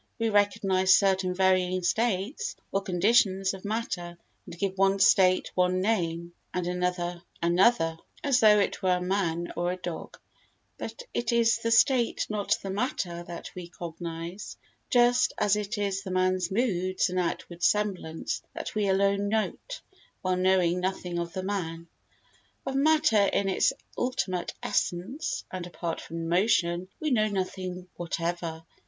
We recognise certain varying states or conditions of matter and give one state one name, and another another, as though it were a man or a dog; but it is the state not the matter that we cognise, just as it is the man's moods and outward semblance that we alone note, while knowing nothing of the man. Of matter in its ultimate essence and apart from motion we know nothing whatever.